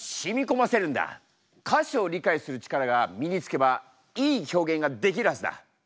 歌詞を理解する力が身に付けばいい表現ができるはずだ。